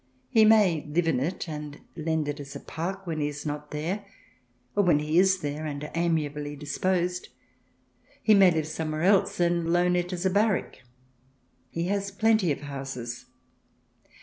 He may live in it, and lend it as a park when he is not there, or when he is there and amiably dis posed ; he may live somewhere else, and loan it as a barrack. He has plenty of houses.